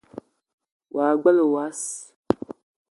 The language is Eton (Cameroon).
Wa gbele wass